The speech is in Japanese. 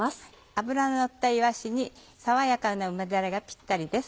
脂ののったいわしに爽やかな梅だれがピッタリです。